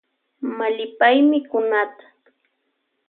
Mallypay mikunata.